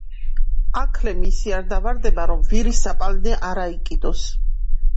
აქლემი ისე არ დავარდება, რომ ვირის საპალნე არ აიკიდოს.